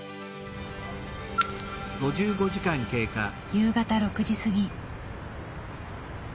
夕方６時過ぎ。